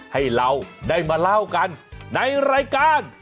ให้เราได้มาเล่ากันในรายการ